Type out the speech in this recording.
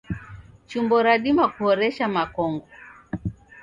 Chumbo radima kuhoresha makongo